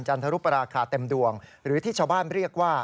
ทรุปราคาเต็มดวงหรือที่ชาวบ้านเรียกว่า